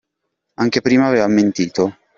Anche prima aveva mentito.